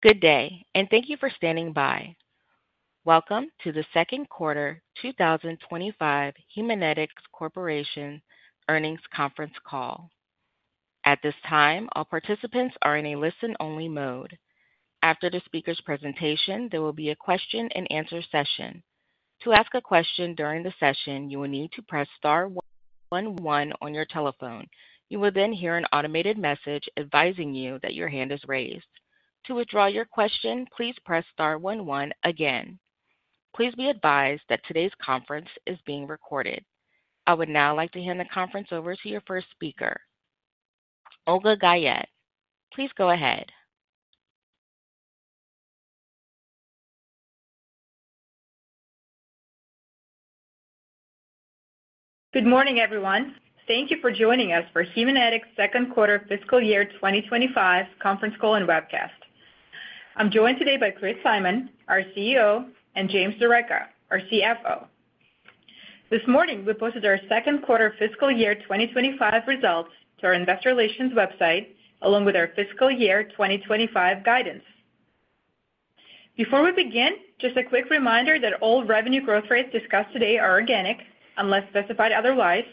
Good day, and thank you for standing by. Welcome to the second quarter 2025 Haemonetics Corporation earnings conference call. At this time, all participants are in a listen-only mode. After the speaker's presentation, there will be a question-and-answer session. To ask a question during the session, you will need to press star 111 on your telephone. You will then hear an automated message advising you that your hand is raised. To withdraw your question, please press star 11 again. Please be advised that today's conference is being recorded. I would now like to hand the conference over to your first speaker, Olga Guyette. Please go ahead. Good morning, everyone. Thank you for joining us for Haemonetics' second quarter fiscal year 2025 conference call and webcast. I'm joined today by Chris Simon, our CEO, and James D'Arecca, our CFO. This morning, we posted our second quarter fiscal year 2025 results to our investor relations website, along with our fiscal year 2025 guidance. Before we begin, just a quick reminder that all revenue growth rates discussed today are organic, unless specified otherwise,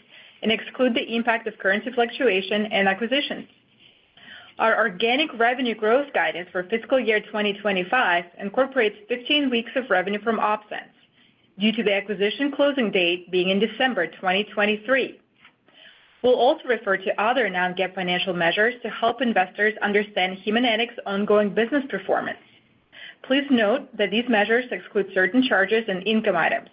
and exclude the impact of currency fluctuation and acquisitions. Our organic revenue growth guidance for fiscal year 2025 incorporates 15 weeks of revenue from OpSens, due to the acquisition closing date being in December 2023. We'll also refer to other non-GAAP financial measures to help investors understand Haemonetics' ongoing business performance. Please note that these measures exclude certain charges and income items.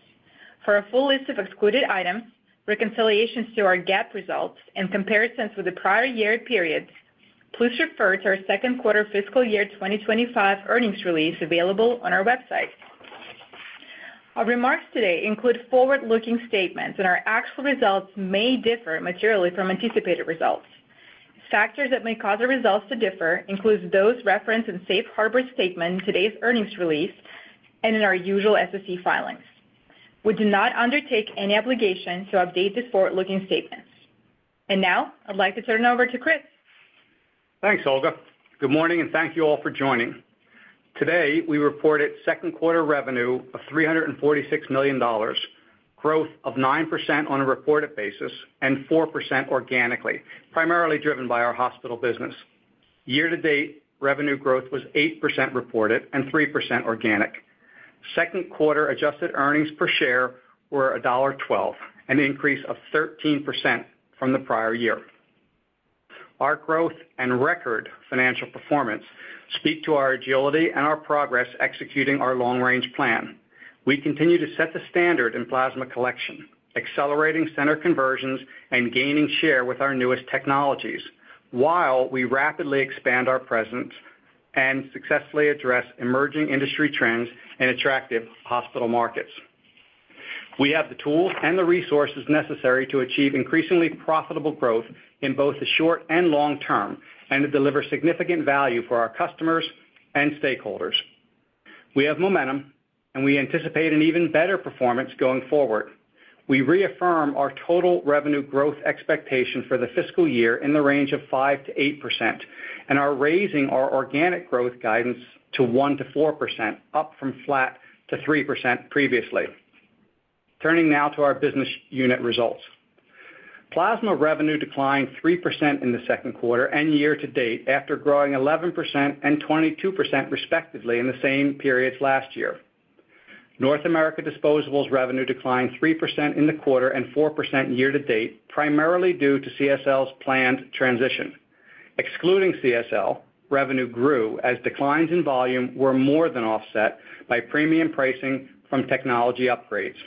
For a full list of excluded items, reconciliations to our GAAP results, and comparisons with the prior year periods, please refer to our second quarter fiscal year 2025 earnings release available on our website. Our remarks today include forward-looking statements, and our actual results may differ materially from anticipated results. Factors that may cause our results to differ include those referenced in Safe Harbor statement in today's earnings release and in our usual SEC filings. We do not undertake any obligation to update these forward-looking statements, and now I'd like to turn it over to Chris. Thanks, Olga. Good morning, and thank you all for joining. Today, we reported second quarter revenue of $346 million, growth of 9% on a reported basis and 4% organically, primarily driven by our hospital business. Year-to-date revenue growth was 8% reported and 3% organic. Second quarter adjusted earnings per share were $1.12, an increase of 13% from the prior year. Our growth and record financial performance speak to our agility and our progress executing our long-range plan. We continue to set the standard in plasma collection, accelerating center conversions and gaining share with our newest technologies, while we rapidly expand our presence and successfully address emerging industry trends and attractive hospital markets. We have the tools and the resources necessary to achieve increasingly profitable growth in both the short and long term and to deliver significant value for our customers and stakeholders. We have momentum, and we anticipate an even better performance going forward. We reaffirm our total revenue growth expectation for the fiscal year in the range of 5%-8%, and are raising our organic growth guidance to 1%-4%, up from flat to 3% previously. Turning now to our business unit results. Plasma revenue declined 3% in the second quarter and year-to-date after growing 11% and 22% respectively in the same periods last year. North America disposables revenue declined 3% in the quarter and 4% year-to-date, primarily due to CSL's planned transition. Excluding CSL, revenue grew as declines in volume were more than offset by premium pricing from technology upgrades.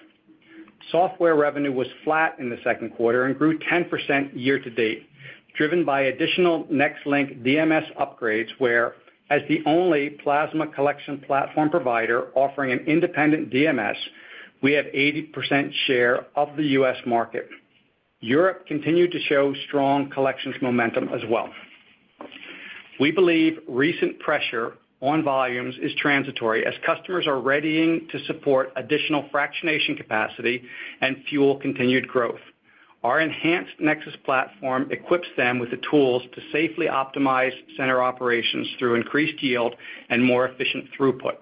Software revenue was flat in the second quarter and grew 10% year-to-date, driven by additional NexLynk DMS upgrades, where, as the only plasma collection platform provider offering an independent DMS, we have 80% share of the U.S. market. Europe continued to show strong collections momentum as well. We believe recent pressure on volumes is transitory as customers are readying to support additional fractionation capacity and fuel continued growth. Our enhanced NexSys platform equips them with the tools to safely optimize center operations through increased yield and more efficient throughput.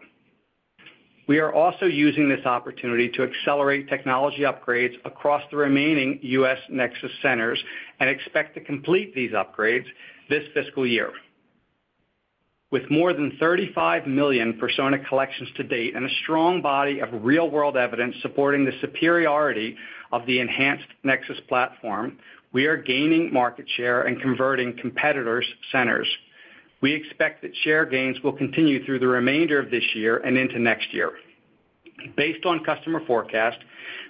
We are also using this opportunity to accelerate technology upgrades across the remaining U.S. NexSys centers and expect to complete these upgrades this fiscal year. With more than 35 million Persona collections to date and a strong body of real-world evidence supporting the superiority of the enhanced NexSys platform, we are gaining market share and converting competitors' centers. We expect that share gains will continue through the remainder of this year and into next year. Based on customer forecast,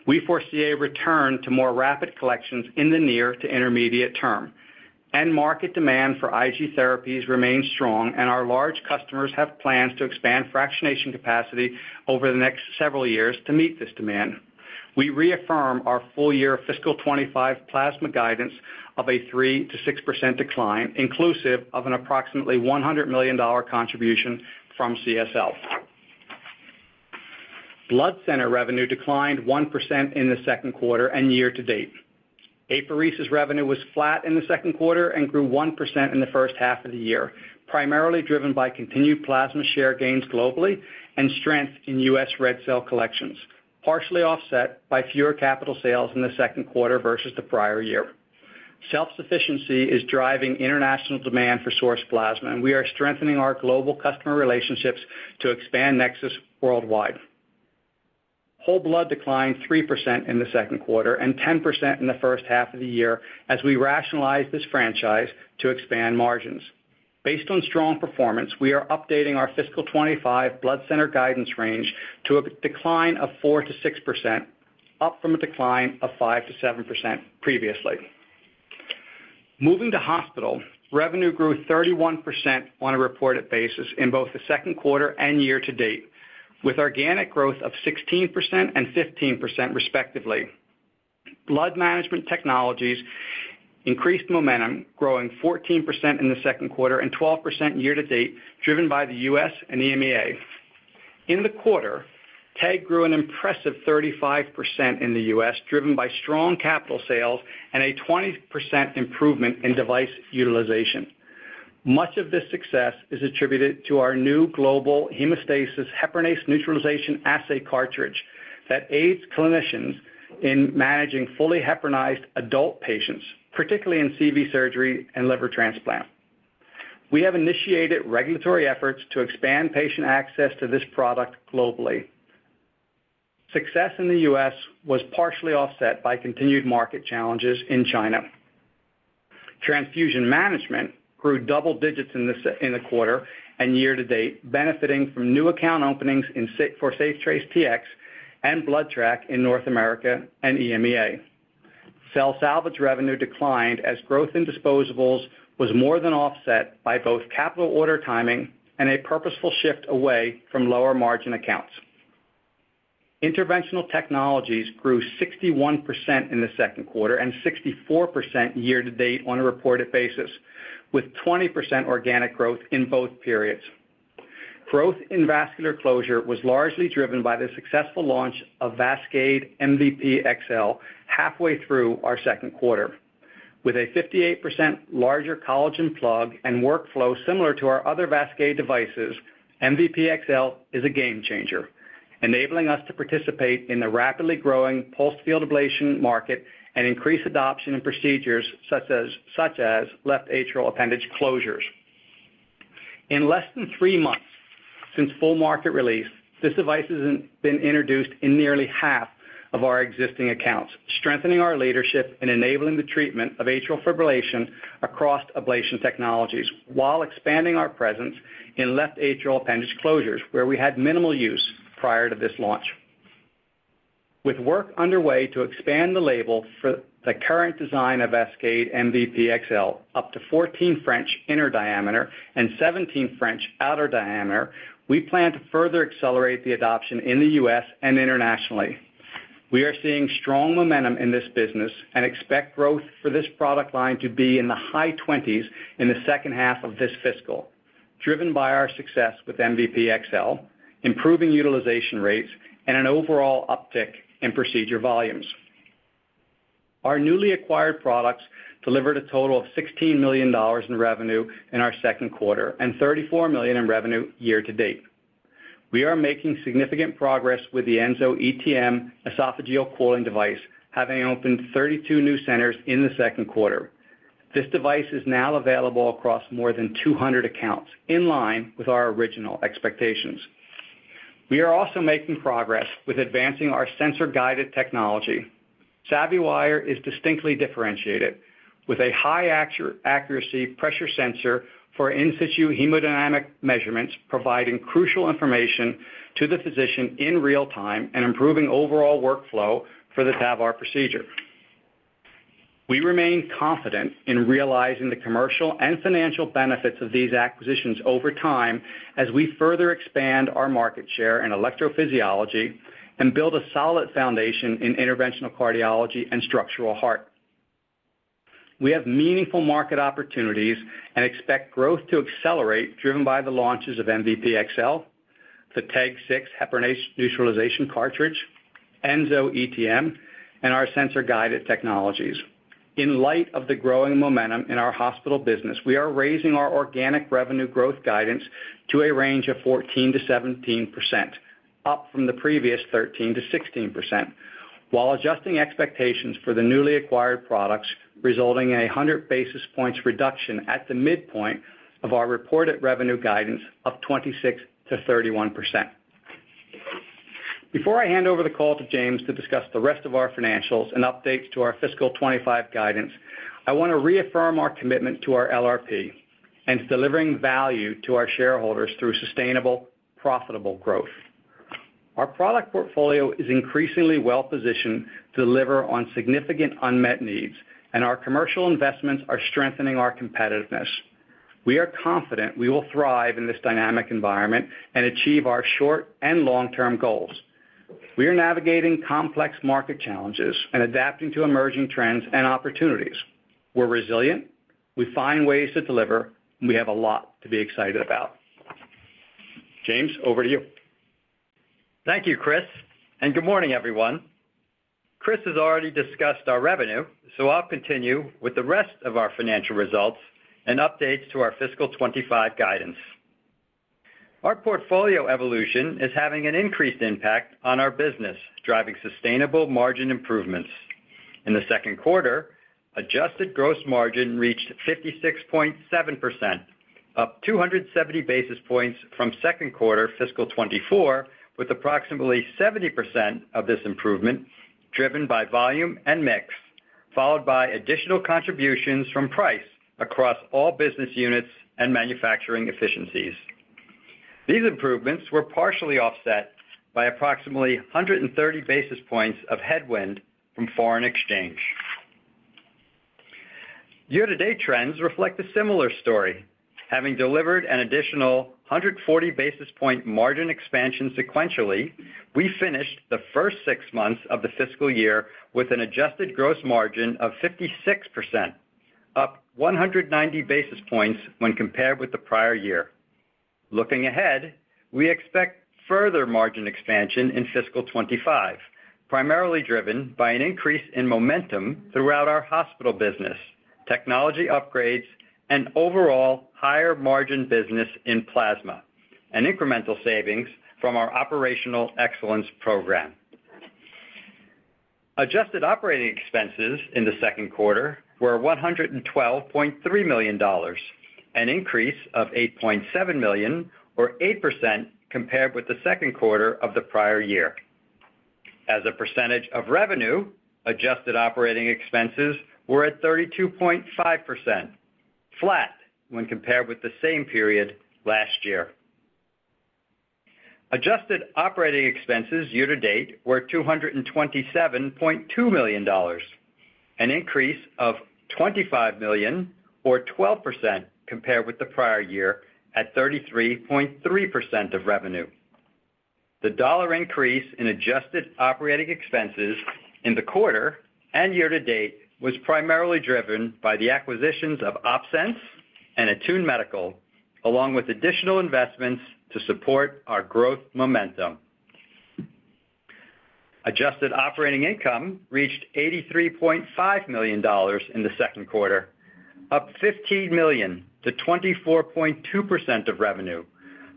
we foresee a return to more rapid collections in the near to intermediate term. End market demand for IG therapies remains strong, and our large customers have plans to expand fractionation capacity over the next several years to meet this demand. We reaffirm our full-year fiscal 2025 plasma guidance of a 3%-6% decline, inclusive of an approximately $100 million contribution from CSL. Blood center revenue declined 1% in the second quarter and year-to-date. Apheresis revenue was flat in the second quarter and grew 1% in the first half of the year, primarily driven by continued plasma share gains globally and strength in U.S. red cell collections, partially offset by fewer capital sales in the second quarter versus the prior year. Self-sufficiency is driving international demand for source plasma, and we are strengthening our global customer relationships to expand NexSys worldwide. Whole blood declined 3% in the second quarter and 10% in the first half of the year as we rationalize this franchise to expand margins. Based on strong performance, we are updating our fiscal 2025 blood center guidance range to a decline of 4%-6%, up from a decline of 5%-7% previously. Moving to hospital, revenue grew 31% on a reported basis in both the second quarter and year-to-date, with organic growth of 16% and 15% respectively. Blood management technologies increased momentum, growing 14% in the second quarter and 12% year-to-date, driven by the U.S. and EMEA. In the quarter, TEG grew an impressive 35% in the U.S., driven by strong capital sales and a 20% improvement in device utilization. Much of this success is attributed to our new Global Hemostasis heparinase neutralization assay cartridge that aids clinicians in managing fully heparinized adult patients, particularly in CV surgery and liver transplant. We have initiated regulatory efforts to expand patient access to this product globally. Success in the U.S. was partially offset by continued market challenges in China. Transfusion management grew double digits in the quarter and year-to-date, benefiting from new account openings for SafeTrace Tx and BloodTrack in North America and EMEA. Cell salvage revenue declined as growth in disposables was more than offset by both capital order timing and a purposeful shift away from lower margin accounts. Interventional Technologies grew 61% in the second quarter and 64% year-to-date on a reported basis, with 20% organic growth in both periods. Growth in vascular closure was largely driven by the successful launch of VASCADE MVP XL halfway through our second quarter. With a 58% larger collagen plug and workflow similar to our other VASCADE devices, MVP XL is a game changer, enabling us to participate in the rapidly growing pulsed field ablation market and increase adoption in procedures such as left atrial appendage closures. In less than three months since full market release, this device has been introduced in nearly half of our existing accounts, strengthening our leadership and enabling the treatment of atrial fibrillation across ablation technologies, while expanding our presence in left atrial appendage closures, where we had minimal use prior to this launch. With work underway to expand the label for the current design of VASCADE MVP XL, up to 14 French inner diameter and 17 French outer diameter, we plan to further accelerate the adoption in the U.S. and internationally. We are seeing strong momentum in this business and expect growth for this product line to be in the high 20s in the second half of this fiscal, driven by our success with MVP XL, improving utilization rates, and an overall uptick in procedure volumes. Our newly acquired products delivered a total of $16 million in revenue in our second quarter and $34 million in revenue year-to-date. We are making significant progress with the EnsoETM esophageal cooling device, having opened 32 new centers in the second quarter. This device is now available across more than 200 accounts, in line with our original expectations. We are also making progress with advancing our sensor-guided technology. SavvyWire is distinctly differentiated, with a high-accuracy pressure sensor for in-situ hemodynamic measurements, providing crucial information to the physician in real time and improving overall workflow for the TAVR procedure. We remain confident in realizing the commercial and financial benefits of these acquisitions over time as we further expand our market share in electrophysiology and build a solid foundation in interventional cardiology and structural heart. We have meaningful market opportunities and expect growth to accelerate, driven by the launches of MVP XL, the TEG 6s heparinase neutralization cartridge, EnsoETM, and our sensor-guided technologies. In light of the growing momentum in our hospital business, we are raising our organic revenue growth guidance to a range of 14%-17%, up from the previous 13%-16%, while adjusting expectations for the newly acquired products, resulting in a 100 basis points reduction at the midpoint of our reported revenue guidance of 26%-31%. Before I hand over the call to James to discuss the rest of our financials and updates to our fiscal 2025 guidance, I want to reaffirm our commitment to our LRP and to delivering value to our shareholders through sustainable, profitable growth. Our product portfolio is increasingly well-positioned to deliver on significant unmet needs, and our commercial investments are strengthening our competitiveness. We are confident we will thrive in this dynamic environment and achieve our short and long-term goals. We are navigating complex market challenges and adapting to emerging trends and opportunities. We're resilient, we find ways to deliver, and we have a lot to be excited about. James, over to you. Thank you, Chris, and good morning, everyone. Chris has already discussed our revenue, so I'll continue with the rest of our financial results and updates to our fiscal 25 guidance. Our portfolio evolution is having an increased impact on our business, driving sustainable margin improvements. In the second quarter, adjusted gross margin reached 56.7%, up 270 basis points from second quarter fiscal 24, with approximately 70% of this improvement driven by volume and mix, followed by additional contributions from price across all business units and manufacturing efficiencies. These improvements were partially offset by approximately 130 basis points of headwind from foreign exchange. Year-to-date trends reflect a similar story. Having delivered an additional 140 basis point margin expansion sequentially, we finished the first six months of the fiscal year with an adjusted gross margin of 56%, up 190 basis points when compared with the prior year. Looking ahead, we expect further margin expansion in fiscal 2025, primarily driven by an increase in momentum throughout our hospital business, technology upgrades, and overall higher margin business in plasma, and incremental savings from our operational excellence program. Adjusted operating expenses in the second quarter were $112.3 million, an increase of $8.7 million, or 8% compared with the second quarter of the prior year. As a percentage of revenue, adjusted operating expenses were at 32.5%, flat when compared with the same period last year. Adjusted operating expenses year-to-date were $227.2 million, an increase of $25 million, or 12% compared with the prior year at 33.3% of revenue. The dollar increase in adjusted operating expenses in the quarter and year-to-date was primarily driven by the acquisitions of OpSens and Attune Medical, along with additional investments to support our growth momentum. Adjusted operating income reached $83.5 million in the second quarter, up $15 million to 24.2% of revenue,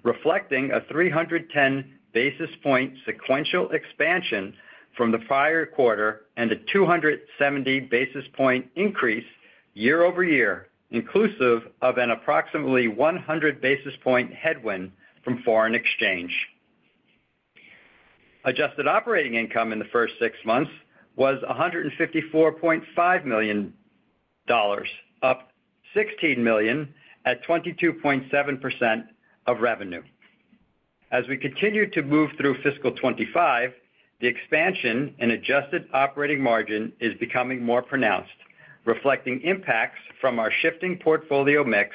reflecting a 310 basis point sequential expansion from the prior quarter and a 270 basis point increase year-over-year, inclusive of an approximately 100 basis point headwind from foreign exchange. Adjusted operating income in the first six months was $154.5 million, up $16 million at 22.7% of revenue. As we continue to move through fiscal 2025, the expansion in adjusted operating margin is becoming more pronounced, reflecting impacts from our shifting portfolio mix,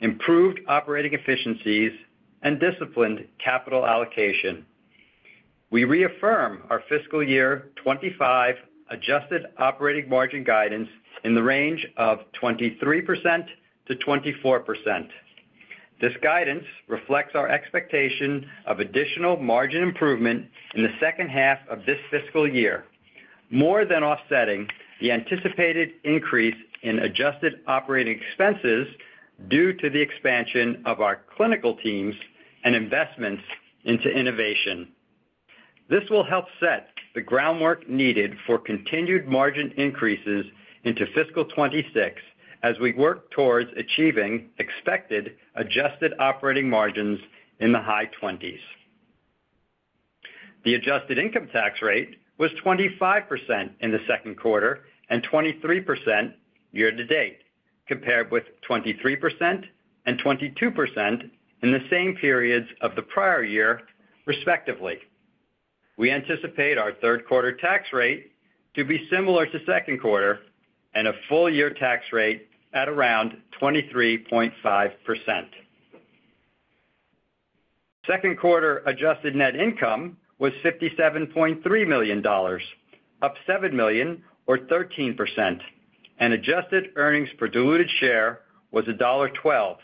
improved operating efficiencies, and disciplined capital allocation. We reaffirm our fiscal year 2025 adjusted operating margin guidance in the range of 23% to 24%. This guidance reflects our expectation of additional margin improvement in the second half of this fiscal year, more than offsetting the anticipated increase in adjusted operating expenses due to the expansion of our clinical teams and investments into innovation. This will help set the groundwork needed for continued margin increases into fiscal 26 as we work towards achieving expected adjusted operating margins in the high 20s. The adjusted income tax rate was 25% in the second quarter and 23% year-to-date, compared with 23% and 22% in the same periods of the prior year, respectively. We anticipate our third quarter tax rate to be similar to second quarter and a full year tax rate at around 23.5%. Second quarter adjusted net income was $57.3 million, up seven million, or 13%, and adjusted earnings per diluted share was $1.12,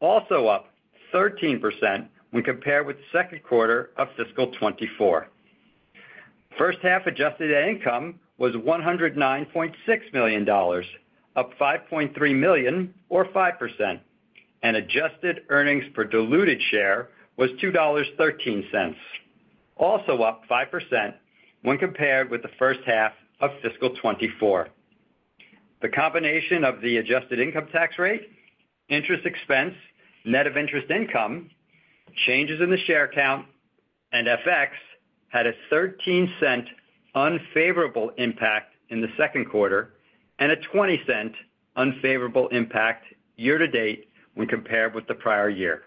also up 13% when compared with the second quarter of fiscal 24. First half adjusted net income was $109.6 million, up $5.3 million, or 5%, and adjusted earnings per diluted share was $2.13, also up 5% when compared with the first half of fiscal 2024. The combination of the adjusted income tax rate, interest expense, net of interest income, changes in the share count, and FX had a $0.13 unfavorable impact in the second quarter and a $0.20 unfavorable impact year-to-date when compared with the prior year.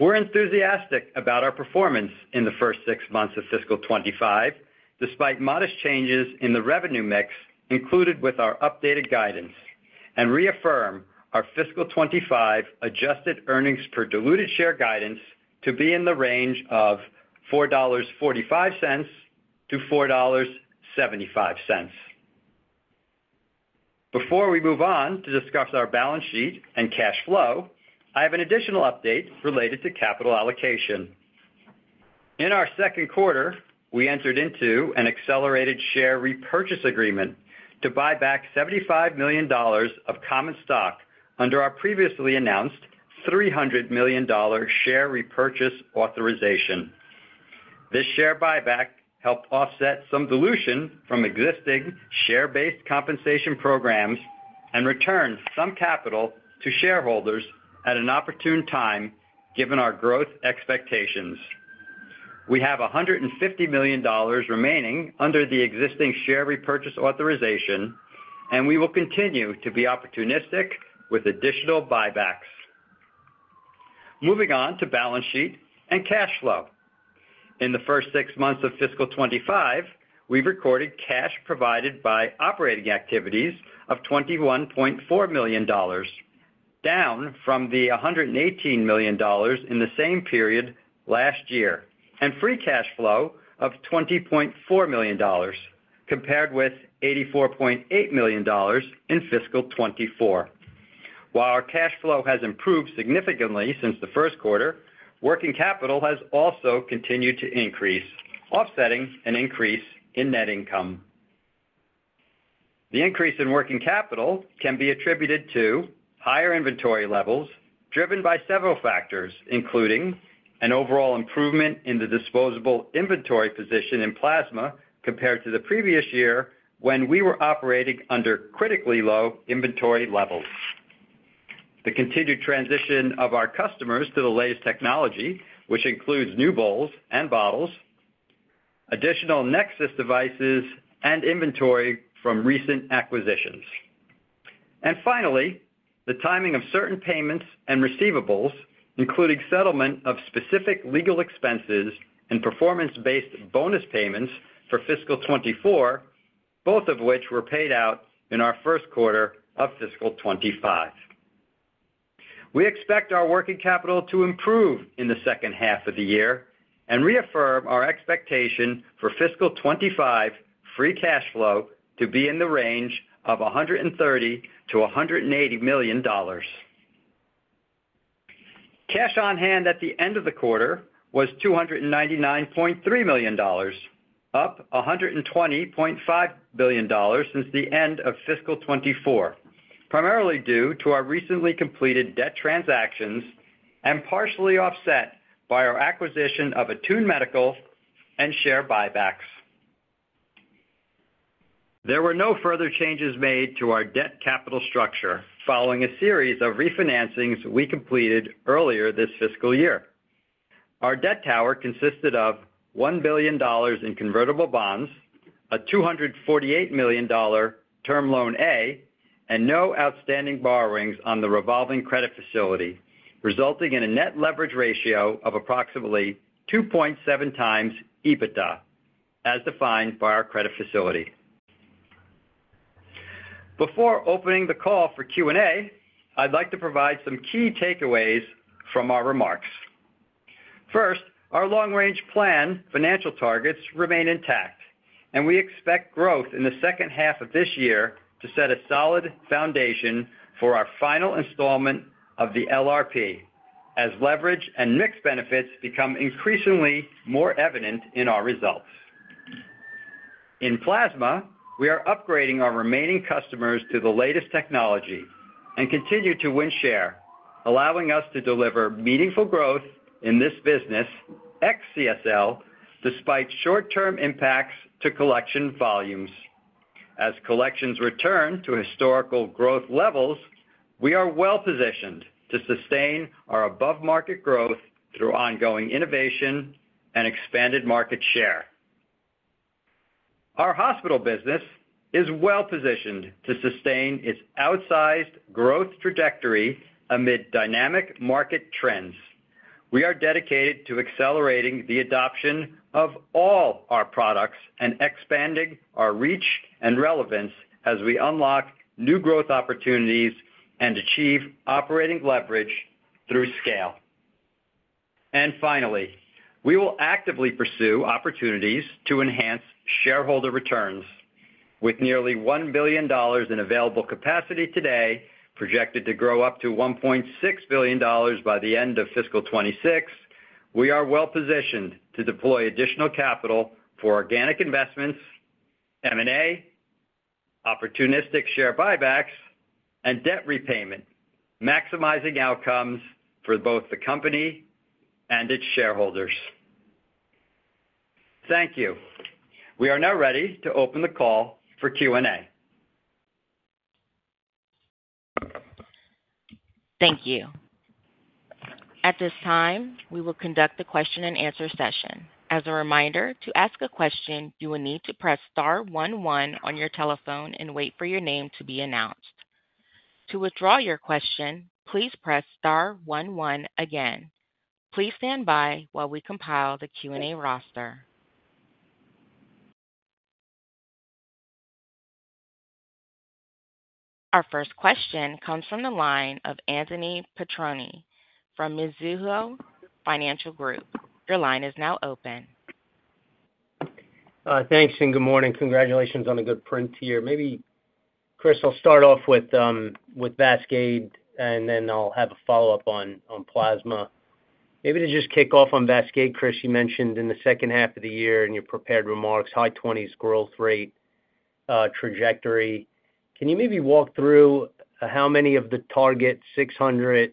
We're enthusiastic about our performance in the first six months of fiscal 2025, despite modest changes in the revenue mix included with our updated guidance, and reaffirm our fiscal 2025 adjusted earnings per diluted share guidance to be in the range of $4.45-$4.75. Before we move on to discuss our balance sheet and cash flow, I have an additional update related to capital allocation. In our second quarter, we entered into an accelerated share repurchase agreement to buy back $75 million of common stock under our previously announced $300 million share repurchase authorization. This share buyback helped offset some dilution from existing share-based compensation programs and return some capital to shareholders at an opportune time, given our growth expectations. We have $150 million remaining under the existing share repurchase authorization, and we will continue to be opportunistic with additional buybacks. Moving on to balance sheet and cash flow. In the first six months of fiscal 2025, we've recorded cash provided by operating activities of $21.4 million, down from the $118 million in the same period last year, and free cash flow of $20.4 million, compared with $84.8 million in fiscal 2024. While our cash flow has improved significantly since the first quarter, working capital has also continued to increase, offsetting an increase in net income. The increase in working capital can be attributed to higher inventory levels, driven by several factors, including an overall improvement in the disposable inventory position in plasma compared to the previous year when we were operating under critically low inventory levels. The continued transition of our customers to the latest technology, which includes new bowls and bottles, additional NexSys devices, and inventory from recent acquisitions. And finally, the timing of certain payments and receivables, including settlement of specific legal expenses and performance-based bonus payments for fiscal 2024, both of which were paid out in our first quarter of fiscal 2025. We expect our working capital to improve in the second half of the year and reaffirm our expectation for fiscal 2025 free cash flow to be in the range of $130-$180 million. Cash on hand at the end of the quarter was $299.3 million, up $120.5 million since the end of fiscal 2024, primarily due to our recently completed debt transactions and partially offset by our acquisition of Attune Medical and share buybacks. There were no further changes made to our debt capital structure following a series of refinancings we completed earlier this fiscal year. Our debt tower consisted of $1 billion in convertible bonds, a $248 million Term Loan A, and no outstanding borrowings on the revolving credit facility, resulting in a net leverage ratio of approximately 2.7 times EBITDA, as defined by our credit facility. Before opening the call for Q&A, I'd like to provide some key takeaways from our remarks. First, our Long-Range Plan financial targets remain intact, and we expect growth in the second half of this year to set a solid foundation for our final installment of the LRP, as leverage and mix benefits become increasingly more evident in our results. In plasma, we are upgrading our remaining customers to the latest technology and continue to win share, allowing us to deliver meaningful growth in this business ex-CSL, despite short-term impacts to collection volumes. As collections return to historical growth levels, we are well-positioned to sustain our above-market growth through ongoing innovation and expanded market share. Our hospital business is well-positioned to sustain its outsized growth trajectory amid dynamic market trends. We are dedicated to accelerating the adoption of all our products and expanding our reach and relevance as we unlock new growth opportunities and achieve operating leverage through scale. And finally, we will actively pursue opportunities to enhance shareholder returns. With nearly $1 billion in available capacity today, projected to grow up to $1.6 billion by the end of fiscal 2026, we are well-positioned to deploy additional capital for organic investments, M&A, opportunistic share buybacks, and debt repayment, maximizing outcomes for both the company and its shareholders. Thank you. We are now ready to open the call for Q&A. Thank you. At this time, we will conduct the question-and-answer session. As a reminder, to ask a question, you will need to press star 11 on your telephone and wait for your name to be announced. To withdraw your question, please press star 11 again. Please stand by while we compile the Q&A roster. Our first question comes from the line of Anthony Petrone from Mizuho Financial Group. Your line is now open. Thanks and good morning. Congratulations on a good print here. Maybe, Chris, I'll start off with VASCADE, and then I'll have a follow-up on plasma. Maybe to just kick off on VASCADE, Chris, you mentioned in the second half of the year in your prepared remarks, high 20s% growth rate trajectory. Can you maybe walk through how many of the target 600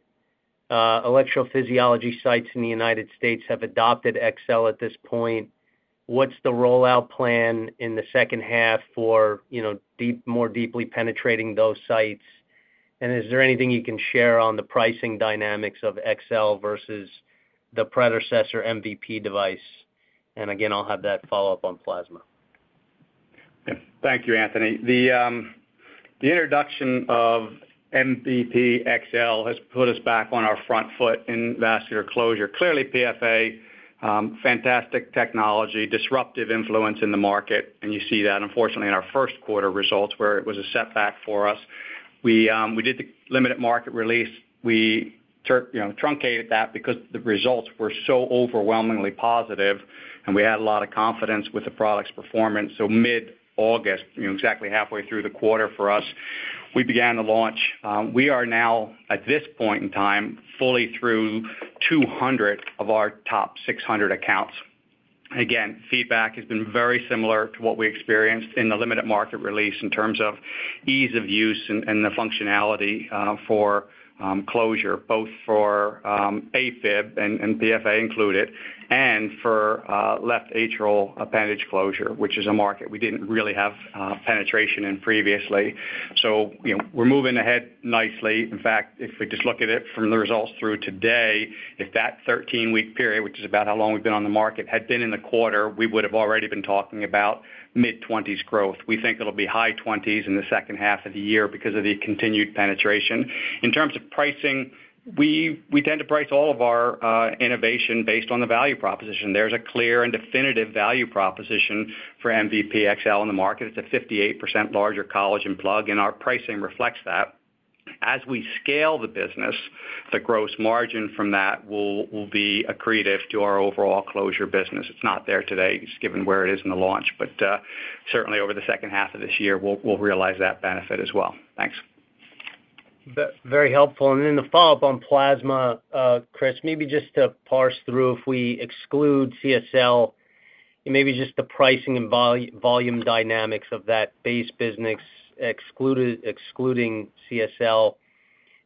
electrophysiology sites in the United States have adopted XL at this point? What's the rollout plan in the second half for more deeply penetrating those sites? And is there anything you can share on the pricing dynamics of XL versus the predecessor MVP device? And again, I'll have that follow-up on plasma. Thank you, Anthony. The introduction of MVP XL has put us back on our front foot in vascular closure. Clearly, PFA, fantastic technology, disruptive influence in the market, and you see that, unfortunately, in our first quarter results where it was a setback for us. We did the limited market release. We truncated that because the results were so overwhelmingly positive, and we had a lot of confidence with the product's performance. So mid-August, exactly halfway through the quarter for us, we began the launch. We are now, at this point in time, fully through 200 of our top 600 accounts. Again, feedback has been very similar to what we experienced in the limited market release in terms of ease of use and the functionality for closure, both for AFib and PFA included, and for left atrial appendage closure, which is a market we didn't really have penetration in previously. So we're moving ahead nicely. In fact, if we just look at it from the results through today, if that 13-week period, which is about how long we've been on the market, had been in the quarter, we would have already been talking about mid-20s growth. We think it'll be high 20s in the second half of the year because of the continued penetration. In terms of pricing, we tend to price all of our innovation based on the value proposition. There's a clear and definitive value proposition for MVP XL in the market. It's a 58% larger collagen plug, and our pricing reflects that. As we scale the business, the gross margin from that will be accretive to our overall closure business. It's not there today, just given where it is in the launch, but certainly over the second half of this year, we'll realize that benefit as well. Thanks. Very helpful. And then the follow-up on plasma, Chris, maybe just to parse through if we exclude CSL, maybe just the pricing and volume dynamics of that base business, excluding CSL.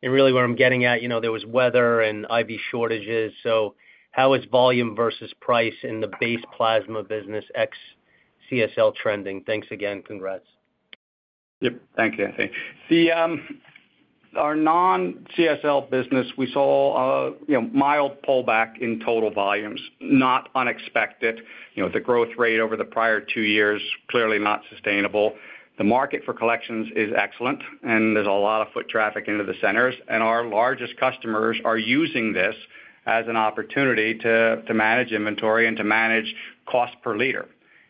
And really what I'm getting at, there was weather and IV shortages. So how is volume versus price in the base plasma business, ex-CSL trending? Thanks again. Congrats. Yep. Thank you, Anthony. Our non-CSL business, we saw mild pullback in total volumes, not unexpected. The growth rate over the prior two years, clearly not sustainable. The market for collections is excellent, and there's a lot of foot traffic into the centers. And our largest customers are using this as an opportunity to manage inventory and to manage cost per liter.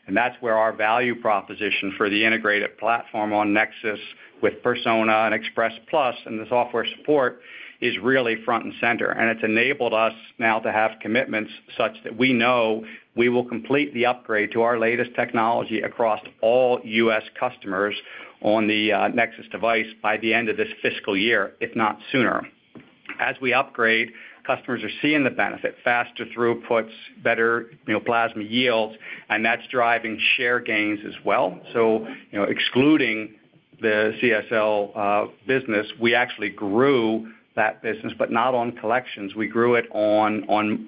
And that's where our value proposition for the integrated platform on NexSys with Persona and Express Plus and the software support is really front and center. And it's enabled us now to have commitments such that we know we will complete the upgrade to our latest technology across all U.S. customers on the NexSys device by the end of this fiscal year, if not sooner. As we upgrade, customers are seeing the benefit: faster throughputs, better plasma yields, and that's driving share gains as well. So excluding the CSL business, we actually grew that business, but not on collections. We grew it on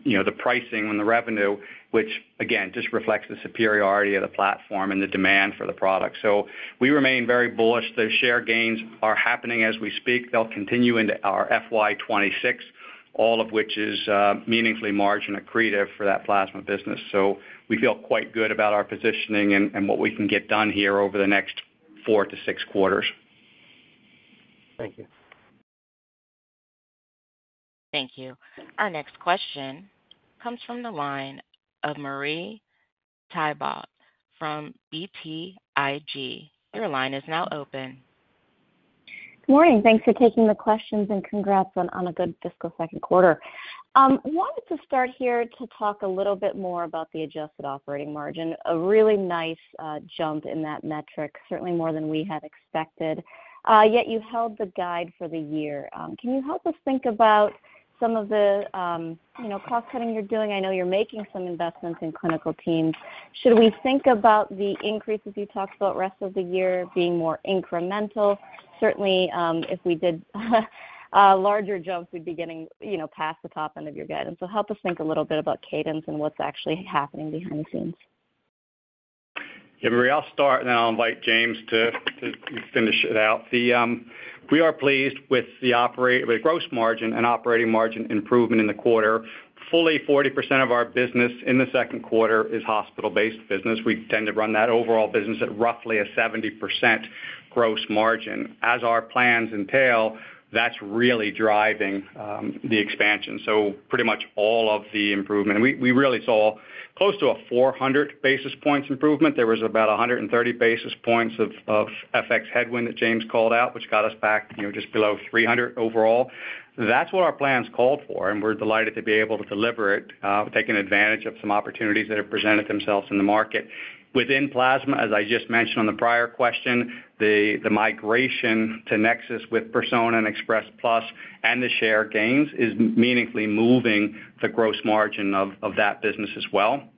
the pricing and the revenue, which, again, just reflects the superiority of the platform and the demand for the product. So we remain very bullish. The share gains are happening as we speak. They'll continue into our FY26, all of which is meaningfully margin accretive for that plasma business. So we feel quite good about our positioning and what we can get done here over the next four to six quarters. Thank you. Thank you. Our next question comes from the line of Marie Thibault from BTIG. Your line is now open. Good morning. Thanks for taking the questions and congrats on a good fiscal second quarter. Wanted to start here to talk a little bit more about the adjusted operating margin, a really nice jump in that metric, certainly more than we had expected. Yet you held the guide for the year. Can you help us think about some of the cost cutting you're doing? I know you're making some investments in clinical teams. Should we think about the increases you talked about rest of the year being more incremental? Certainly, if we did larger jumps, we'd be getting past the top end of your guidance. So help us think a little bit about cadence and what's actually happening behind the scenes. Yeah, Marie, I'll start, and then I'll invite James to finish it out. We are pleased with the gross margin and operating margin improvement in the quarter. Fully 40% of our business in the second quarter is hospital-based business. We tend to run that overall business at roughly a 70% gross margin. As our plans entail, that's really driving the expansion. So pretty much all of the improvement. We really saw close to a 400 basis points improvement. There was about 130 basis points of FX headwind that James called out, which got us back just below 300 overall. That's what our plans called for, and we're delighted to be able to deliver it, taking advantage of some opportunities that have presented themselves in the market. Within plasma, as I just mentioned on the prior question, the migration to NexSys with Persona and Express Plus and the share gains is meaningfully moving the gross margin of that business as well.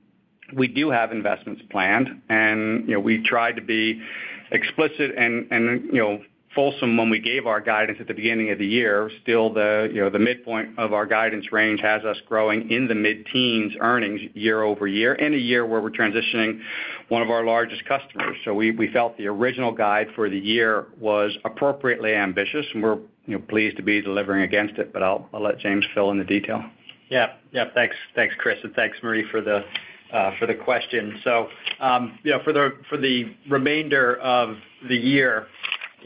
We do have investments planned, and we tried to be explicit and fulsome when we gave our guidance at the beginning of the year. Still, the midpoint of our guidance range has us growing in the mid-teens earnings year over year in a year where we're transitioning one of our largest customers. So we felt the original guide for the year was appropriately ambitious, and we're pleased to be delivering against it, but I'll let James fill in the detail. Yeah. Thanks, Chris, and thanks, Marie, for the question. So for the remainder of the year,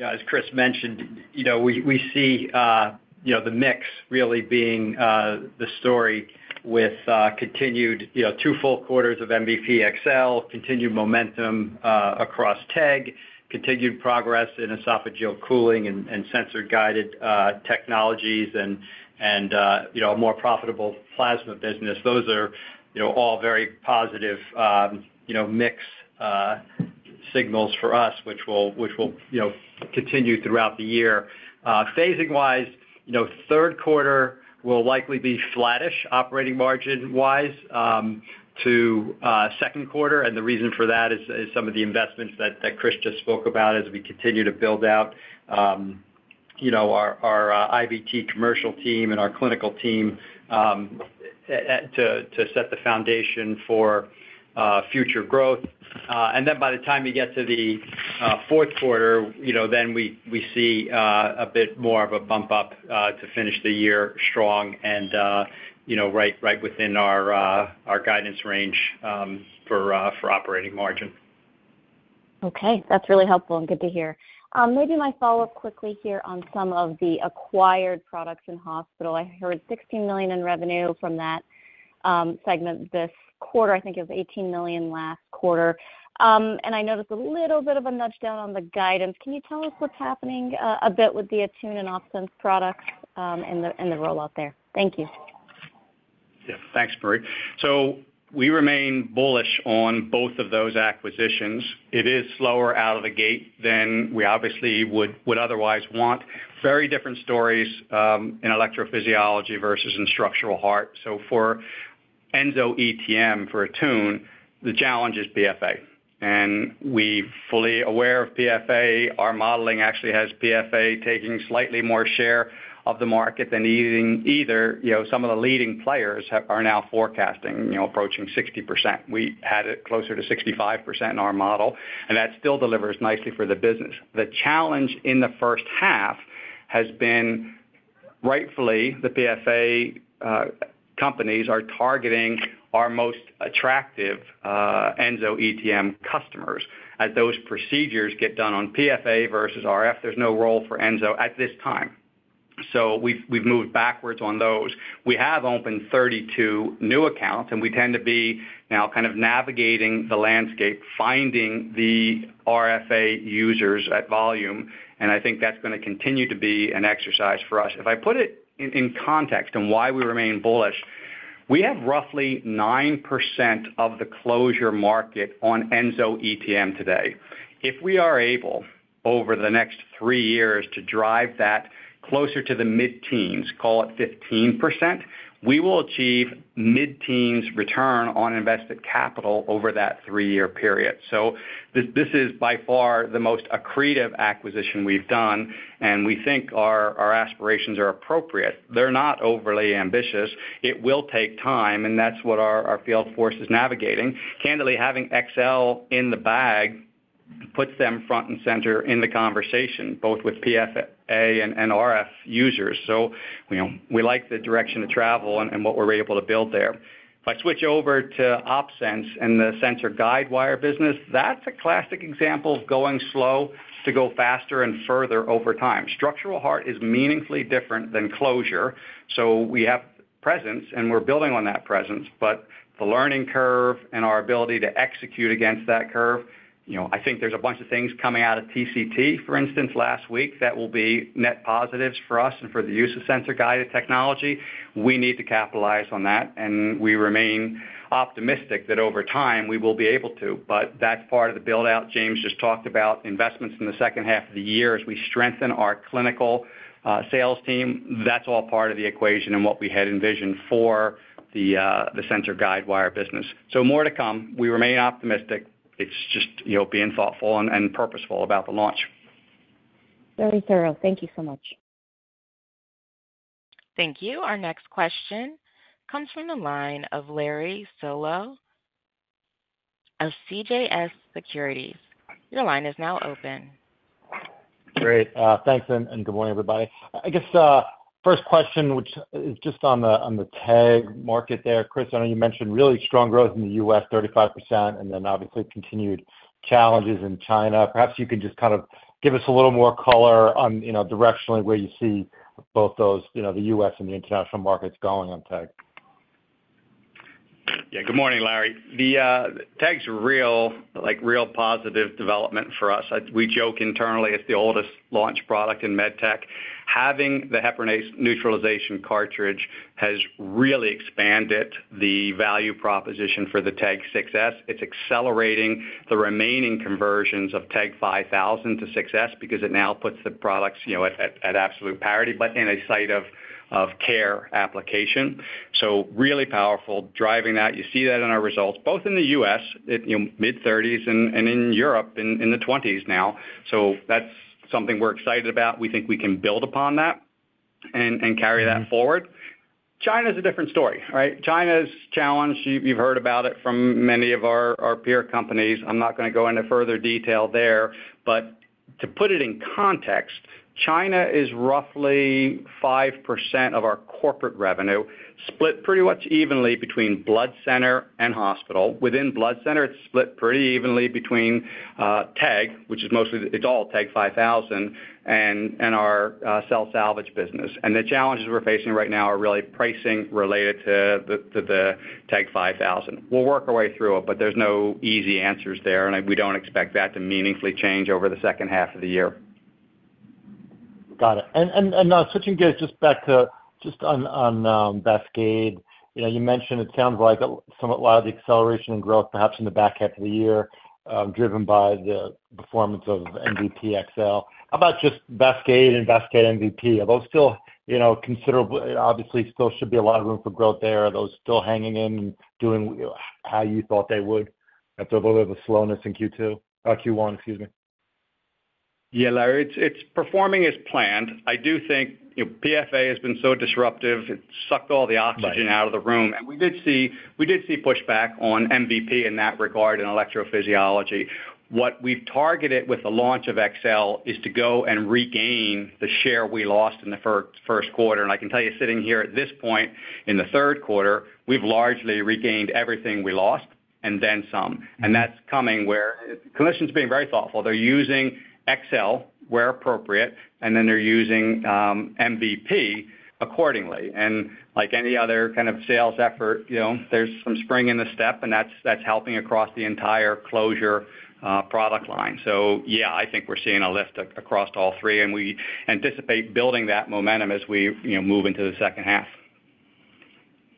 as Chris mentioned, we see the mix really being the story with continued two full quarters of MVP XL, continued momentum across TEG, continued progress in esophageal cooling and sensor-guided technologies, and a more profitable plasma business. Those are all very positive mix signals for us, which will continue throughout the year. Phasing-wise, third quarter will likely be flattish operating margin-wise to second quarter, and the reason for that is some of the investments that Chris just spoke about as we continue to build out our IVT commercial team and our clinical team to set the foundation for future growth. And then by the time we get to the fourth quarter, then we see a bit more of a bump up to finish the year strong and right within our guidance range for operating margin. Okay. That's really helpful and good to hear. Maybe my follow-up quickly here on some of the acquired products in hospital. I heard $16 million in revenue from that segment this quarter. I think it was $18 million last quarter. And I noticed a little bit of a nudge down on the guidance. Can you tell us what's happening a bit with the Attune and OpSens products and the rollout there? Thank you. Yeah. Thanks, Marie. So we remain bullish on both of those acquisitions. It is slower out of the gate than we obviously would otherwise want. Very different stories in electrophysiology versus in structural heart. So for EnsoETM, for Attune, the challenge is PFA. And we're fully aware of PFA. Our modeling actually has PFA taking slightly more share of the market than either some of the leading players are now forecasting, approaching 60%. We had it closer to 65% in our model, and that still delivers nicely for the business. The challenge in the first half has been, rightfully, the PFA companies are targeting our most attractive EnsoETM customers. As those procedures get done on PFA versus RF, there's no role for EnsoETM at this time. So we've moved backwards on those. We have opened 32 new accounts, and we tend to be now kind of navigating the landscape, finding the RFA users at volume, and I think that's going to continue to be an exercise for us. If I put it in context on why we remain bullish, we have roughly 9% of the closure market on EnsoETM today. If we are able over the next three years to drive that closer to the mid-teens, call it 15%, we will achieve mid-teens return on invested capital over that three-year period. So this is by far the most accretive acquisition we've done, and we think our aspirations are appropriate. They're not overly ambitious. It will take time, and that's what our field force is navigating. Candidly, having XL in the bag puts them front and center in the conversation, both with PFA and RF users. So we like the direction to travel and what we're able to build there. If I switch over to OpSens and the sensor guidewire business, that's a classic example of going slow to go faster and further over time. Structural heart is meaningfully different than closure. So we have presence, and we're building on that presence, but the learning curve and our ability to execute against that curve. I think there's a bunch of things coming out of TCT, for instance, last week that will be net positives for us and for the use of sensor-guided technology. We need to capitalize on that, and we remain optimistic that over time we will be able to, but that's part of the buildout. James just talked about investments in the second half of the year as we strengthen our clinical sales team. That's all part of the equation and what we had envisioned for the sensor guidewire business. So more to come. We remain optimistic. It's just being thoughtful and purposeful about the launch. Very thorough. Thank you so much. Thank you. Our next question comes from the line of Larry Solow of CJS Securities. Your line is now open. Great. Thanks and good morning, everybody. I guess first question, which is just on the TEG market there. Chris, I know you mentioned really strong growth in the U.S., 35%, and then obviously continued challenges in China. Perhaps you can just kind of give us a little more color on directionally where you see both the U.S. and the international markets going on TEG. Yeah. Good morning, Larry. TEG's real positive development for us. We joke internally it's the oldest launch product in med tech. Having the heparinase neutralization cartridge has really expanded the value proposition for the TEG 6s. It's accelerating the remaining conversions of TEG 5000 to 6S because it now puts the products at absolute parity, but in a site of care application. So really powerful driving that. You see that in our results, both in the U.S., mid-30s, and in Europe in the 20s now. So that's something we're excited about. We think we can build upon that and carry that forward. China is a different story, right? China's challenge. You've heard about it from many of our peer companies. I'm not going to go into further detail there, but to put it in context, China is roughly 5% of our corporate revenue, split pretty much evenly between blood center and hospital. Within blood center, it's split pretty evenly between TEG, which is mostly it's all TEG 5000 and our cell salvage business. And the challenges we're facing right now are really pricing related to the TEG 5000. We'll work our way through it, but there's no easy answers there, and we don't expect that to meaningfully change over the second half of the year. Got it. Now switching gears just back to just on VASCADE, you mentioned it sounds like somewhat a lot of the acceleration and growth perhaps in the back half of the year driven by the performance of MVP XL. How about just VASCADE and VASCADE MVP? Are those still considerable? Obviously, still should be a lot of room for growth there. Are those still hanging in and doing how you thought they would after a little bit of a slowness in Q1, excuse me? Yeah, Larry, it's performing as planned. I do think PFA has been so disruptive. It's sucked all the oxygen out of the room, and we did see pushback on MVP in that regard in electrophysiology. What we've targeted with the launch of XL is to go and regain the share we lost in the first quarter. I can tell you sitting here at this point in the third quarter, we've largely regained everything we lost and then some. That's coming where clinicians are being very thoughtful. They're using XL where appropriate, and then they're using MVP accordingly. Like any other kind of sales effort, there's some spring in the step, and that's helping across the entire closure product line. Yeah, I think we're seeing a lift across all three, and we anticipate building that momentum as we move into the second half.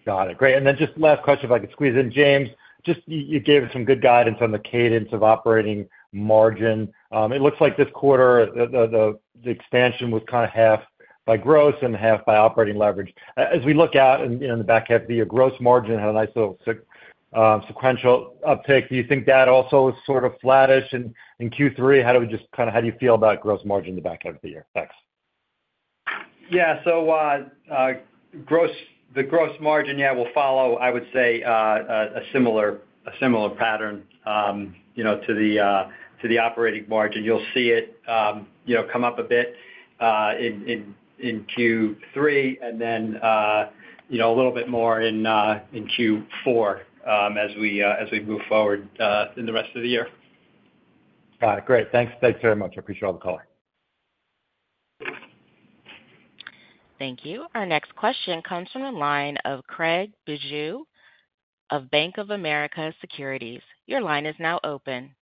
Got it. Great. Just last question if I could squeeze in James, just you gave us some good guidance on the cadence of operating margin. It looks like this quarter the expansion was kind of half by gross and half by operating leverage. As we look out in the back half of the year, gross margin had a nice little sequential uptake. Do you think that also was sort of flattish in Q3? How do we just kind of how do you feel about gross margin in the back half of the year? Thanks. Yeah. So the gross margin, yeah, will follow, I would say, a similar pattern to the operating margin. You'll see it come up a bit in Q3 and then a little bit more in Q4 as we move forward in the rest of the year. Got it. Great. Thanks very much. I appreciate the call. Thank you. Our next question comes from the line of Craig Bijou of Bank of America Securities. Your line is now open.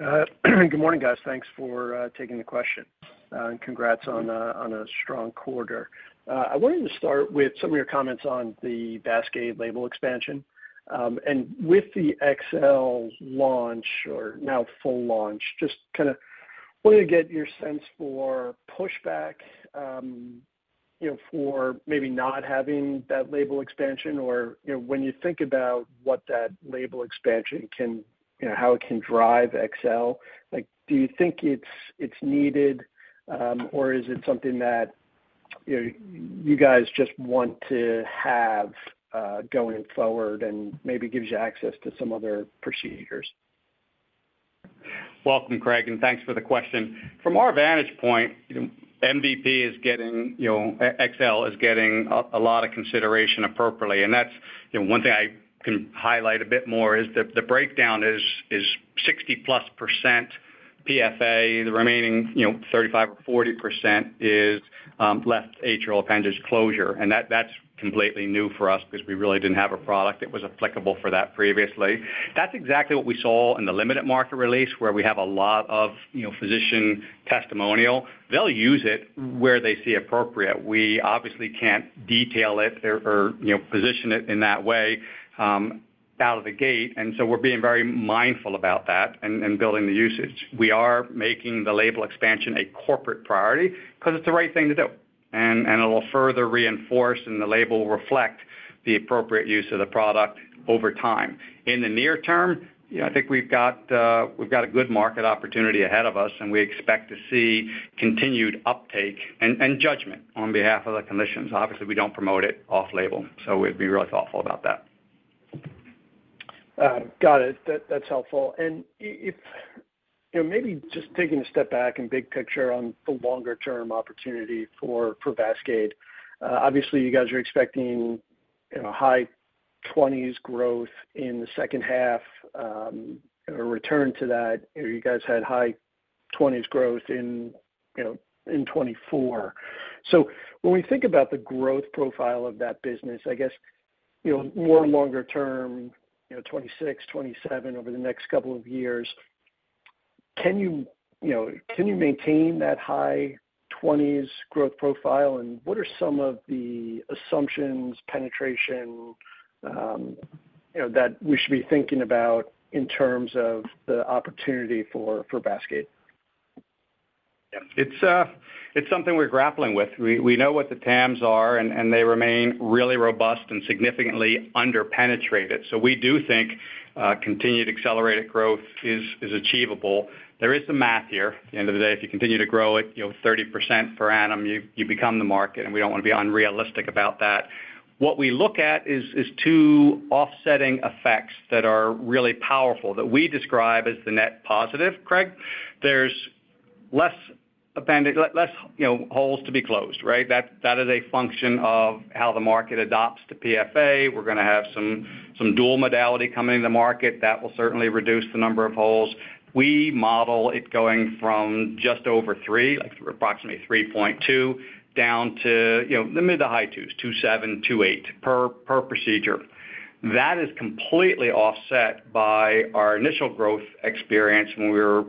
Good morning, guys. Thanks for taking the question. Congrats on a strong quarter. I wanted to start with some of your comments on the VASCADE label expansion. And with the XL launch or now full launch, just kind of wanted to get your sense for pushback for maybe not having that label expansion or when you think about what that label expansion can how it can drive XL. Do you think it's needed, or is it something that you guys just want to have going forward and maybe gives you access to some other procedures? Welcome, Craig, and thanks for the question. From our vantage point, MVP and XL are getting a lot of consideration appropriately. And that's one thing I can highlight a bit more is that the breakdown is 60+% PFA. The remaining 35% or 40% is left atrial appendage closure. And that's completely new for us because we really didn't have a product that was applicable for that previously. That's exactly what we saw in the limited market release where we have a lot of physician testimonial. They'll use it where they see appropriate. We obviously can't detail it or position it in that way out of the gate. And so we're being very mindful about that and building the usage. We are making the label expansion a corporate priority because it's the right thing to do. And it'll further reinforce, and the label will reflect the appropriate use of the product over time. In the near term, I think we've got a good market opportunity ahead of us, and we expect to see continued uptake and judgment on behalf of the clinicians. Obviously, we don't promote it off-label, so we'd be really thoughtful about that. Got it. That's helpful. And maybe just taking a step back and big picture on the longer-term opportunity for VASCADE. Obviously, you guys are expecting high-20s growth in the second half or return to that. You guys had high-20s growth in 2024. So when we think about the growth profile of that business, I guess more longer-term, 2026, 2027 over the next couple of years, can you maintain that high-20s growth profile? And what are some of the assumptions, penetration that we should be thinking about in terms of the opportunity for VASCADE? It's something we're grappling with. We know what the TAMs are, and they remain really robust and significantly underpenetrated. So we do think continued accelerated growth is achievable. There is some math here. At the end of the day, if you continue to grow it 30% per annum, you become the market, and we don't want to be unrealistic about that. What we look at is two offsetting effects that are really powerful that we describe as the net positive. Craig, there's less holes to be closed, right? That is a function of how the market adopts the PFA. We're going to have some dual modality coming into the market. That will certainly reduce the number of holes. We model it going from just over three, like approximately 3.2, down to the mid to high twos, 2.7, 2.8 per procedure. That is completely offset by our initial growth experience when we were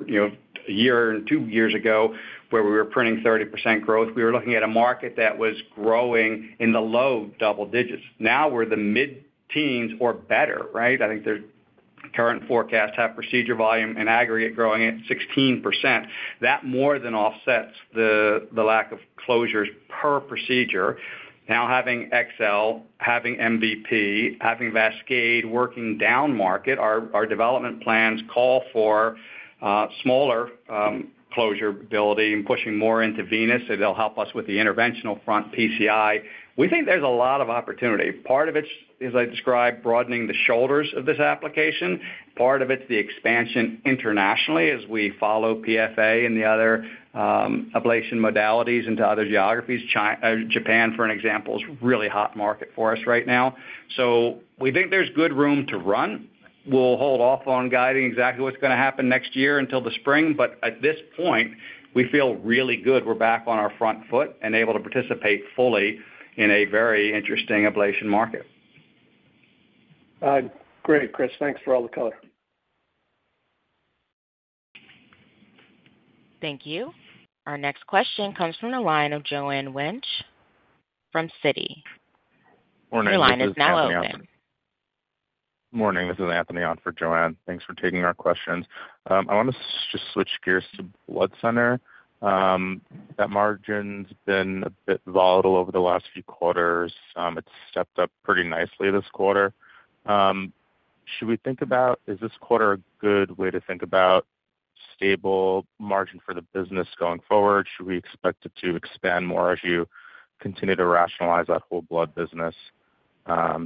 a year and two years ago where we were printing 30% growth. We were looking at a market that was growing in the low double digits. Now we're the mid-teens or better, right? I think the current forecast has procedure volume in aggregate growing at 16%. That more than offsets the lack of closures per procedure. Now having XL, having MVP, having VASCADE working down market, our development plans call for smaller closure ability and pushing more into venous that'll help us with the interventional front PCI. We think there's a lot of opportunity. Part of it is, as I described, broadening the shoulders of this application. Part of it's the expansion internationally as we follow PFA and the other ablation modalities into other geographies. Japan, for example, is a really hot market for us right now. So we think there's good room to run. We'll hold off on guiding exactly what's going to happen next year until the spring, but at this point, we feel really good. We're back on our front foot and able to participate fully in a very interesting ablation market. Great. Chris, thanks for all the color. Thank you. Our next question comes from the line of Joanne Wuensch from Citi. Your line is now open. Good morning. This is Anthony Ott for Joanne. Thanks for taking our questions. I want to just switch gears to blood center. That margin's been a bit volatile over the last few quarters. It's stepped up pretty nicely this quarter. Should we think about, is this quarter a good way to think about stable margin for the business going forward? Should we expect it to expand more as you continue to rationalize that whole blood business?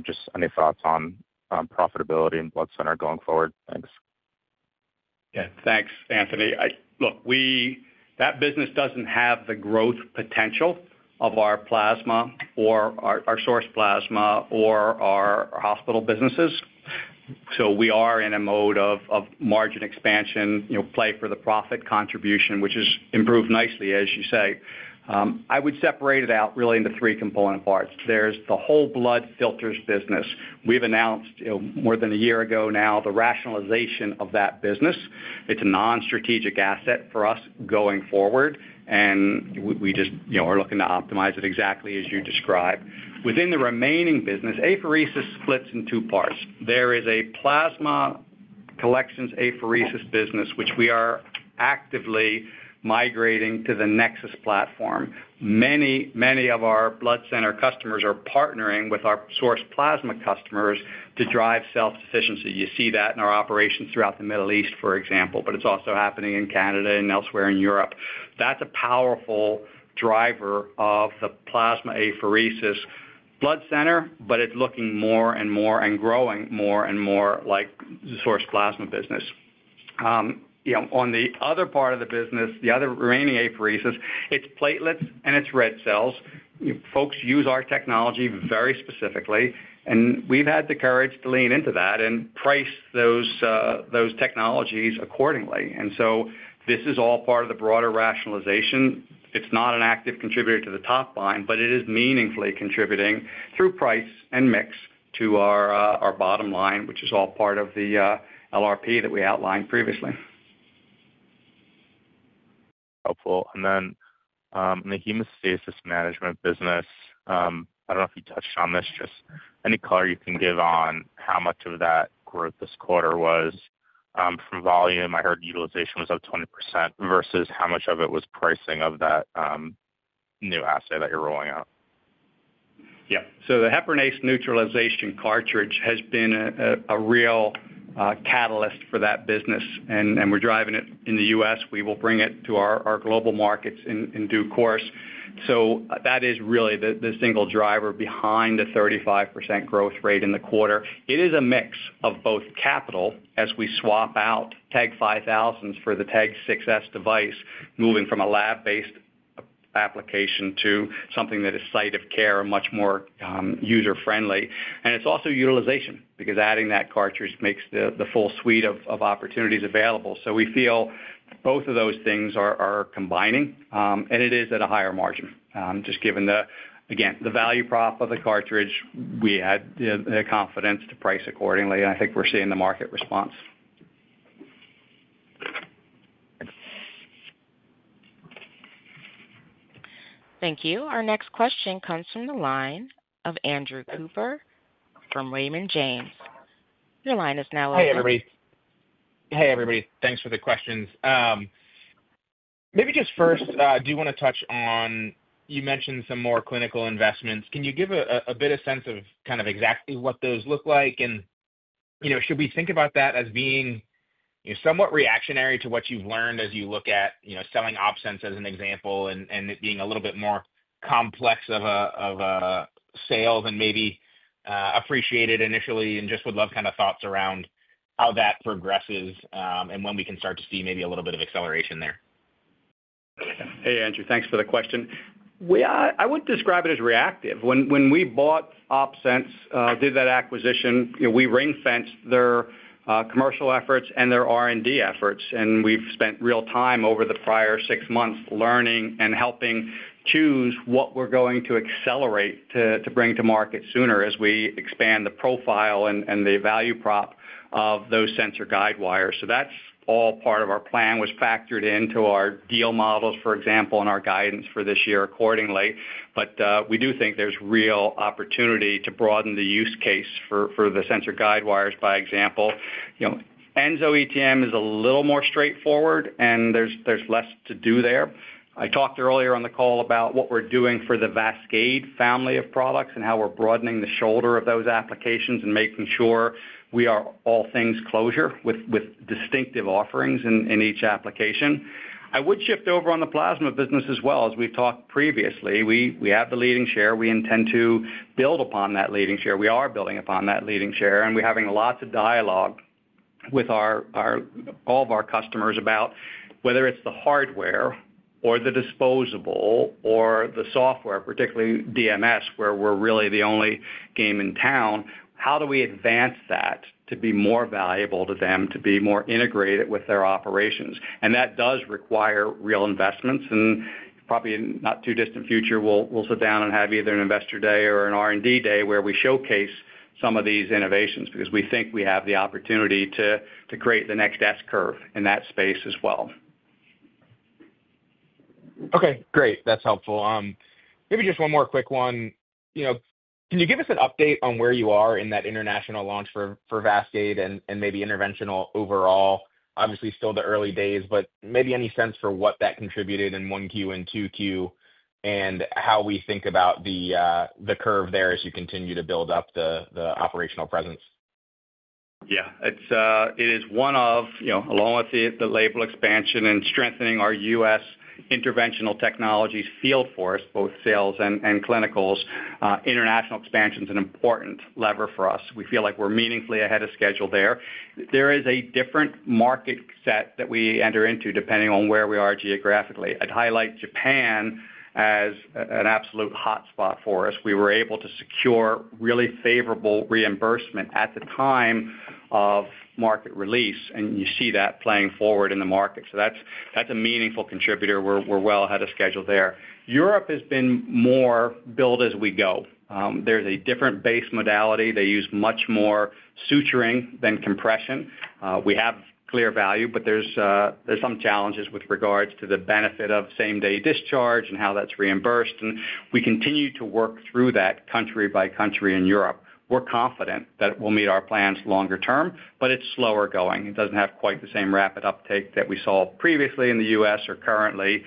Just any thoughts on profitability and blood center going forward? Thanks. Yeah. Thanks, Anthony. Look, that business doesn't have the growth potential of our plasma or our source plasma or our hospital businesses. So we are in a mode of margin expansion, play for the profit contribution, which has improved nicely, as you say. I would separate it out really into three component parts. There's the whole blood filters business. We've announced more than a year ago now the rationalization of that business. It's a non-strategic asset for us going forward, and we just are looking to optimize it exactly as you describe. Within the remaining business, apheresis splits in two parts. There is a plasma collections apheresis business, which we are actively migrating to the NexSys platform. Many, many of our blood center customers are partnering with our source plasma customers to drive self-sufficiency. You see that in our operations throughout the Middle East, for example, but it's also happening in Canada and elsewhere in Europe. That's a powerful driver of the plasma apheresis blood center, but it's looking more and more and growing more and more like the source plasma business. On the other part of the business, the other remaining apheresis, it's platelets and it's red cells. Folks use our technology very specifically, and we've had the courage to lean into that and price those technologies accordingly. And so this is all part of the broader rationalization. It's not an active contributor to the top line, but it is meaningfully contributing through price and mix to our bottom line, which is all part of the LRP that we outlined previously. Helpful. And then in the hemostasis management business, I don't know if you touched on this, just any color you can give on how much of that growth this quarter was from volume. I heard utilization was up 20% versus how much of it was pricing of that new assay that you're rolling out. Yep. So the Heparinase Neutralization Cartridge has been a real catalyst for that business, and we're driving it in the U.S. We will bring it to our global markets in due course. So that is really the single driver behind the 35% growth rate in the quarter. It is a mix of both capital as we swap out TEG 5000s for the TEG 6s device, moving from a lab-based application to something that is site of care and much more user-friendly. And it's also utilization because adding that cartridge makes the full suite of opportunities available. So we feel both of those things are combining, and it is at a higher margin. Just given, again, the value prop of the cartridge, we had the confidence to price accordingly, and I think we're seeing the market response. Thank you. Our next question comes from the line of Andrew Cooper from Raymond James. Your line is now open. Hey, everybody. Thanks for the questions. Maybe just first, I do want to touch on you mentioned some more clinical investments. Can you give a bit of sense of kind of exactly what those look like? And should we think about that as being somewhat reactionary to what you've learned as you look at selling OpSens as an example and it being a little bit more complex of a sale than maybe appreciated initially and just would love kind of thoughts around how that progresses and when we can start to see maybe a little bit of acceleration there. Hey, Andrew. Thanks for the question. I would describe it as reactive. When we bought OpSens, did that acquisition, we ring-fenced their commercial efforts and their R&D efforts. And we've spent real time over the prior six months learning and helping choose what we're going to accelerate to bring to market sooner as we expand the profile and the value prop of those sensor guidewires. So that's all part of our plan was factored into our deal models, for example, and our guidance for this year accordingly. But we do think there's real opportunity to broaden the use case for the sensor guidewires by example. EnsoETM is a little more straightforward, and there's less to do there. I talked earlier on the call about what we're doing for the VASCADE family of products and how we're broadening the shoulder of those applications and making sure we are all things closure with distinctive offerings in each application. I would shift over on the plasma business as well. As we've talked previously, we have the leading share. We intend to build upon that leading share. We are building upon that leading share, and we're having lots of dialogue with all of our customers about whether it's the hardware or the disposable or the software, particularly DMS, where we're really the only game in town. How do we advance that to be more valuable to them, to be more integrated with their operations? And that does require real investments. And probably in not too distant future, we'll sit down and have either an investor day or an R&D day where we showcase some of these innovations because we think we have the opportunity to create the next S curve in that space as well. Okay. Great. That's helpful. Maybe just one more quick one. Can you give us an update on where you are in that international launch for VASCADE and maybe interventional overall? Obviously, still the early days, but maybe any sense for what that contributed in 1Q and 2Q and how we think about the curve there as you continue to build up the operational presence? Yeah. It is one of, along with the label expansion and strengthening our U.S. Interventional Technologies field force, both sales and clinicals. International expansion is an important lever for us. We feel like we're meaningfully ahead of schedule there. There is a different market set that we enter into depending on where we are geographically. I'd highlight Japan as an absolute hotspot for us. We were able to secure really favorable reimbursement at the time of market release, and you see that playing forward in the market. So that's a meaningful contributor. We're well ahead of schedule there. Europe has been more build as we go. There's a different base modality. They use much more suturing than compression. We have clear value, but there's some challenges with regards to the benefit of same-day discharge and how that's reimbursed, and we continue to work through that country by country in Europe. We're confident that we'll meet our plans longer term, but it's slower going. It doesn't have quite the same rapid uptake that we saw previously in the U.S. or currently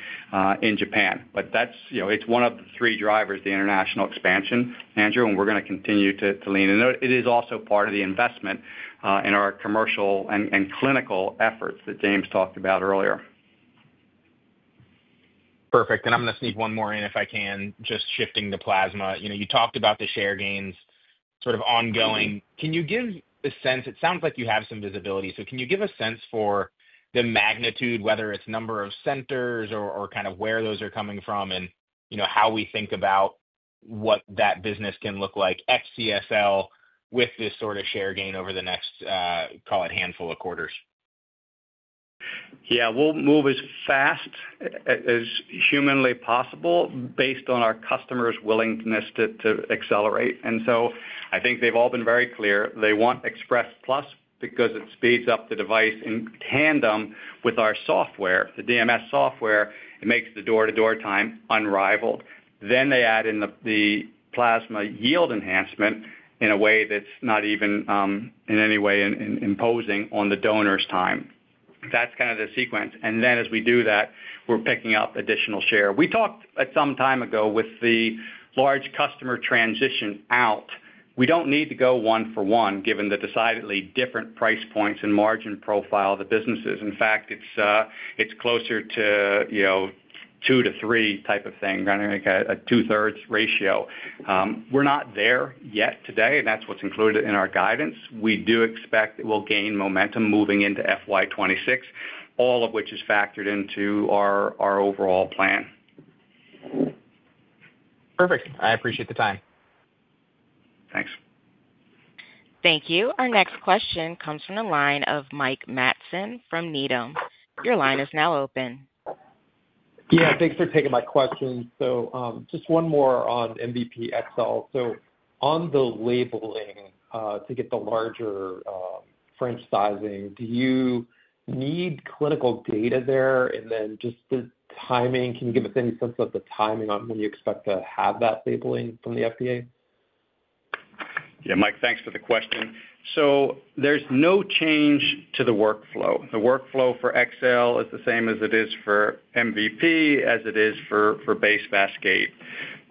in Japan. But it's one of the three drivers, the international expansion, Andrew, and we're going to continue to lean. And it is also part of the investment in our commercial and clinical efforts that James talked about earlier. Perfect. And I'm going to sneak one more in if I can, just shifting to plasma. You talked about the share gains sort of ongoing. Can you give a sense? It sounds like you have some visibility. So can you give a sense for the magnitude, whether it's number of centers or kind of where those are coming from and how we think about what that business can look like, CSL with this sort of share gain over the next, call it, handful of quarters? Yeah. We'll move as fast as humanly possible based on our customer's willingness to accelerate. And so I think they've all been very clear. They want Express Plus because it speeds up the device in tandem with our software, the DMS software. It makes the door-to-door time unrivaled. Then they add in the plasma yield enhancement in a way that's not even in any way imposing on the donor's time. That's kind of the sequence. And then as we do that, we're picking up additional share. We talked at some time ago with the large customer transition out. We don't need to go one for one given the decidedly different price points and margin profile of the businesses. In fact, it's closer to two to three type of thing, kind of like a two-thirds ratio. We're not there yet today, and that's what's included in our guidance. We do expect we'll gain momentum moving into FY26, all of which is factored into our overall plan. Perfect. I appreciate the time. Thanks. Thank you. Our next question comes from the line of Mike Matson from Needham. Your line is now open. Yeah. Thanks for taking my questions. So just one more on MVP XL. So on the labeling to get the larger French sizing, do you need clinical data there? And then just the timing, can you give us any sense of the timing on when you expect to have that labeling from the FDA? Yeah. Mike, thanks for the question. So there's no change to the workflow. The workflow for XL is the same as it is for MVP, as it is for base VASCADE.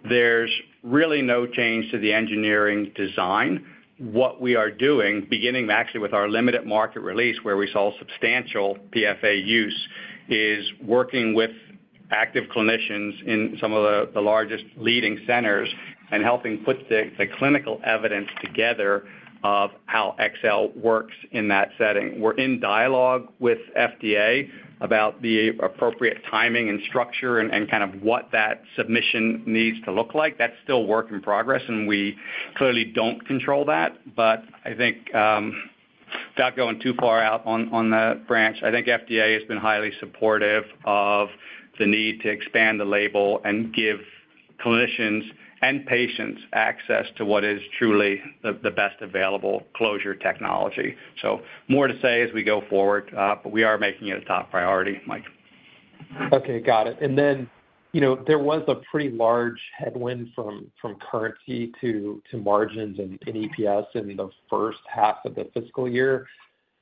There's really no change to the engineering design. What we are doing, beginning actually with our limited market release where we saw substantial PFA use, is working with active clinicians in some of the largest leading centers and helping put the clinical evidence together of how XL works in that setting. We're in dialogue with FDA about the appropriate timing and structure and kind of what that submission needs to look like. That's still work in progress, and we clearly don't control that. But I think without going too far out on that branch, I think FDA has been highly supportive of the need to expand the label and give clinicians and patients access to what is truly the best available closure technology. So more to say as we go forward, but we are making it a top priority, Mike. Okay. Got it. And then there was a pretty large headwind from currency to margins and EPS in the first half of the fiscal year.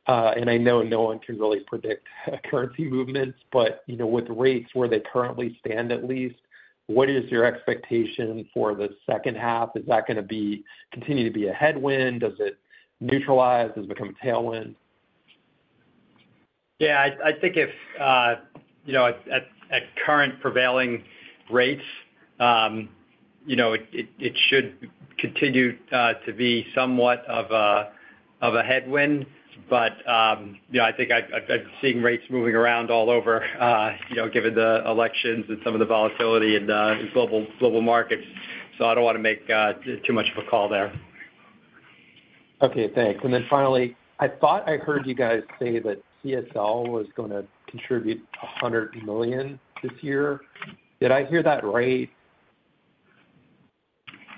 And I know no one can really predict currency movements, but with rates where they currently stand at least, what is your expectation for the second half? Is that going to continue to be a headwind? Does it neutralize? Does it become a tailwind? Yeah. I think if at current prevailing rates, it should continue to be somewhat of a headwind. But I think I've been seeing rates moving around all over given the elections and some of the volatility in global markets. So I don't want to make too much of a call there. Okay. Thanks. And then finally, I thought I heard you guys say that CSL was going to contribute $100 million this year. Did I hear that right?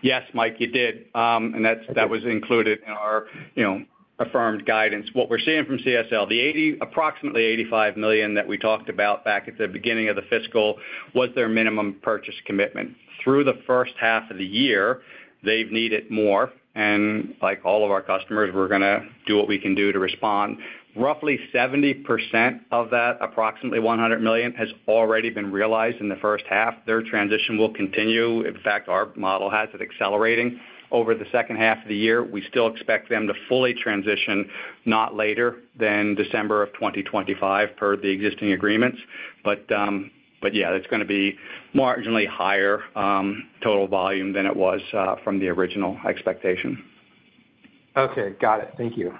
Yes, Mike, you did. And that was included in our affirmed guidance. What we're seeing from CSL, the approximately $85 million that we talked about back at the beginning of the fiscal was their minimum purchase commitment. Through the first half of the year, they've needed more. And like all of our customers, we're going to do what we can do to respond. Roughly 70% of that approximately $100 million has already been realized in the first half. Their transition will continue. In fact, our model has it accelerating over the second half of the year. We still expect them to fully transition not later than December of 2025 per the existing agreements. But yeah, that's going to be marginally higher total volume than it was from the original expectation. Okay. Got it. Thank you.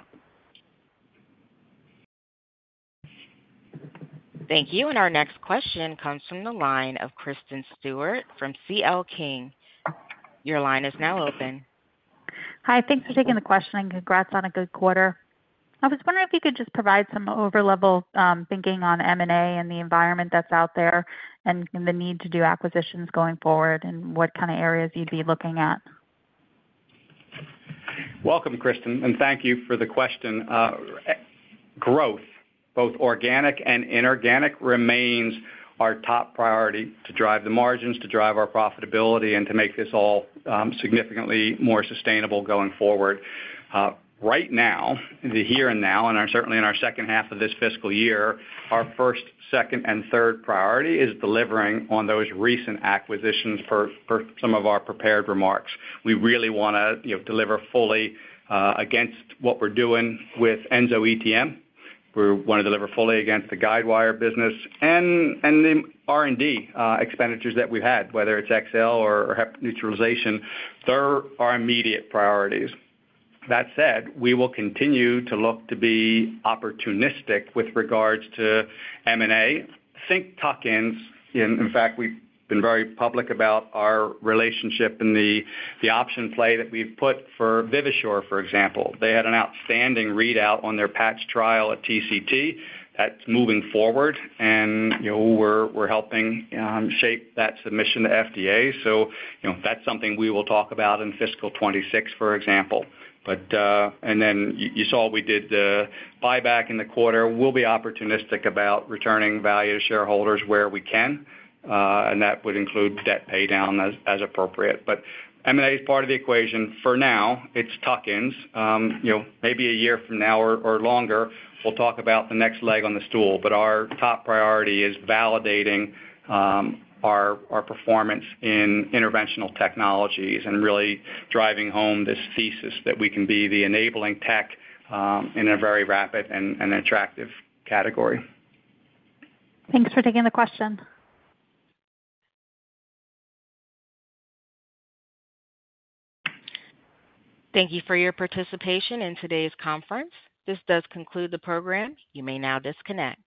Thank you. And our next question comes from the line of Kristen Stewart from CL King. Your line is now open. Hi. Thanks for taking the question and congrats on a good quarter. I was wondering if you could just provide some high-level thinking on M&A and the environment that's out there and the need to do acquisitions going forward and what kind of areas you'd be looking at. Welcome, Kristen. And thank you for the question. Growth, both organic and inorganic, remains our top priority to drive the margins, to drive our profitability, and to make this all significantly more sustainable going forward. Right now, the here and now, and certainly in our second half of this fiscal year, our first, second, and third priority is delivering on those recent acquisitions for some of our prepared remarks. We really want to deliver fully against what we're doing with EnsoETM. We want to deliver fully against the guidewire business and the R&D expenditures that we've had, whether it's XL or neutralization. They're our immediate priorities. That said, we will continue to look to be opportunistic with regards to M&A. Think Tuck-ins. In fact, we've been very public about our relationship and the option play that we've put for Vivasure, for example. They had an outstanding readout on their PATCH trial at TCT. That's moving forward. We're helping shape that submission to FDA. That's something we will talk about in fiscal 2026, for example. Then you saw we did the buyback in the quarter. We'll be opportunistic about returning value to shareholders where we can. That would include debt paydown as appropriate. M&A is part of the equation. For now, it's tuck-ins. Maybe a year from now or longer, we'll talk about the next leg on the stool. Our top priority is validating our performance in Interventional Technologies and really driving home this thesis that we can be the enabling tech in a very rapid and attractive category. Thanks for taking the question. Thank you for your participation in today's conference. This does conclude the program. You may now disconnect.